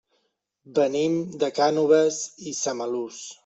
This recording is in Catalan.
Venim de Cànoves i Samalús.